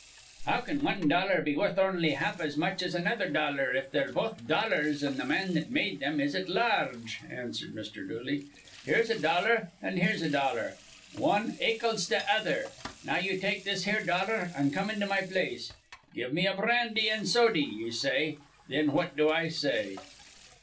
"How can wan dollar be worth on'y half as much as another dollar, if they're both dollars an' th' man that made thim is at la arge?" answered Mr. Dooley. "Here's a dollar, an' here's a dollar. Wan akels th' other. Now you take this here dollar, an' come into my place. 'Give me a brandy an' sody,' ye say. Thin what do I say?"